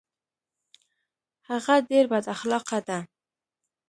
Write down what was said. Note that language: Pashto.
هغه ډیر بد اخلاقه ده